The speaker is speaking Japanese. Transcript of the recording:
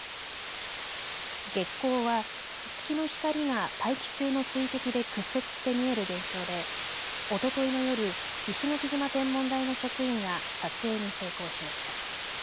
月虹は、月の光が大気中の水滴で屈折して見える現象でおとといの夜石垣島天文台の職員が撮影に成功しました。